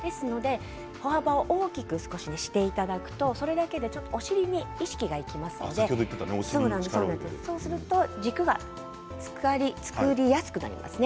歩幅を大きくしていただくとそれだけでお尻に意識がいきますのでそうすると軸が作りやすくなりますね。